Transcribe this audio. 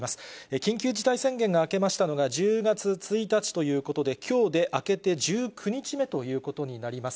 緊急事態宣言が明けましたのが、１０月１日ということで、きょうであけて１９日目ということになります。